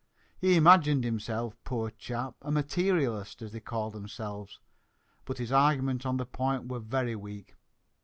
He imagined himself poor chap a `materialist,' as they call themselves, but his arguments on the point were very weak.